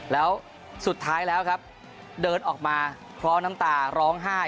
แล้วสุดท้ายแล้วครับเดินออกมาพร้อมน้ำตาร้องไห้